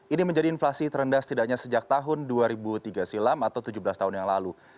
ini menjadi inflasi terendah setidaknya sejak tahun dua ribu tiga silam atau tujuh belas tahun yang lalu